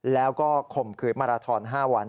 แล้วก็ข่มขืนมาราทอน๕วัน